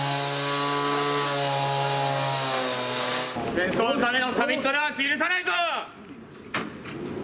戦争のためのサミットなんて許さないぞ。